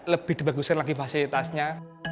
lebih dibaguskan lagi fasilitasnya